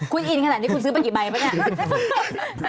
คุณอินขนาดนี้คุณซื้อไปกี่ใบปะเนี่ย